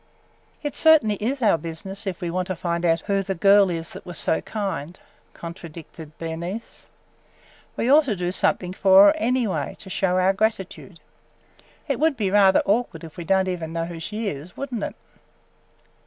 "It certainly is our business, if we want to find out who the girl is that was so kind!" contradicted Bernice. "We ought to do something for her anyway to show our gratitude. It would be rather awkward if we don't even know who she is, would n't it?"